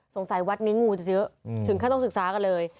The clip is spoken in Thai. สงสัยวัดนี้งูจะเยอะถึงแค่ต้องศึกษากันเลย